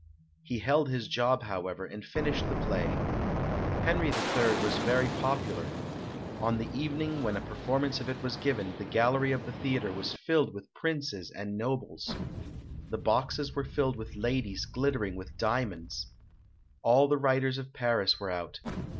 He held his job, however, and finished the play. "Henri III" was very popular. On the evening when a performance of it was given, the gallery of the theatre was filled with princes and nobles. The boxes were filled with ladies glittering with diamonds. All the writers of Paris were out.